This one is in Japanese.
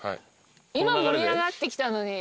今盛り上がってきたのに。